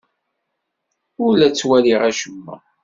Ur la ttwaliɣ acemma!